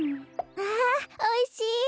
ああおいしい！